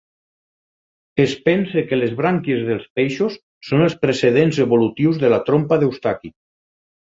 Es pensa que les brànquies dels peixos són els precedents evolutius de la trompa d'Eustaqui.